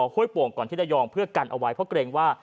ห้วยโป่งก่อนที่ระยองเพื่อกันเอาไว้เพราะเกรงว่า